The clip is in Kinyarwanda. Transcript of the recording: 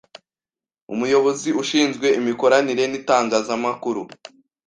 Umuyobozi ushinzwe imikoranire n’itangazamakuru